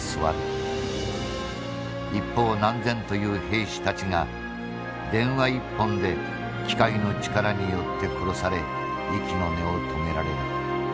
一方何千という兵士たちが電話一本で機械の力によって殺され息の根を止められる。